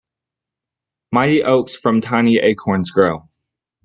Mighty oaks from tiny acorns grow.